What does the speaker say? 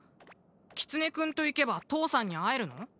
キツネ君と行けば父さんに会えるの？